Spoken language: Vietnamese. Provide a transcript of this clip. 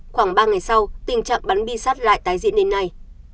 khoảng ba ngày sau tình trạng bắn bi sắt lại tái diện đến nay